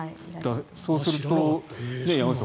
そうすると山口さん